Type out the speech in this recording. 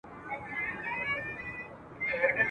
په هر کور کي د وطن به یې منلی !.